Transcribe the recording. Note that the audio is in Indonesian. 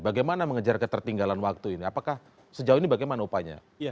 bagaimana mengejar ketertinggalan waktu ini apakah sejauh ini bagaimana upaya